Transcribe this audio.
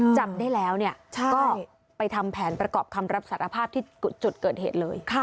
จับได้แล้วก็ไปทำแผนประกอบคำรับสารภาพที่จุดเกิดเหตุเลย